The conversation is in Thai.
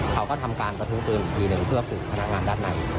เขาก็ทำการประทุปืนอีกทีหนึ่งเพื่อฝึกพนักงานด้านใน